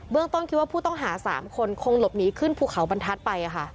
ต้นคิดว่าผู้ต้องหา๓คนคงหลบหนีขึ้นภูเขาบรรทัศน์ไป